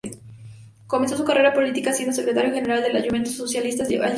Comenzó su carrera política siendo Secretario General de las Juventudes Socialistas de Alicante.